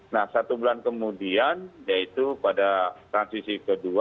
nah satu bulan kemudian yaitu pada transisi kedua